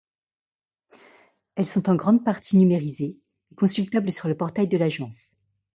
Elles sont en grande partie numérisées et consultables sur le portail de l'agence.